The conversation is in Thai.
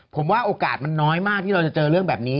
ผมว่าโอกาสมันน้อยมากที่เราจะเจอเรื่องแบบนี้